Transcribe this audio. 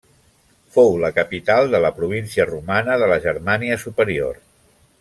Fou la capital de la província romana de la Germània Superior.